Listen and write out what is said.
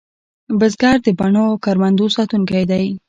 بزګر د بڼو او کروندو ساتونکی دی